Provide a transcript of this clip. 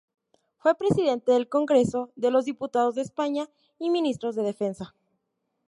Fue Presidente del Congreso de los Diputados de España y ministro de Defensa.